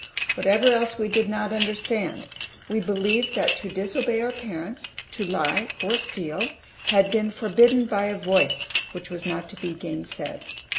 Whatever else we did not understand, we believed that to disobey our parents, to lie or steal, had been forbidden by a Voice which was not to be gainsaid.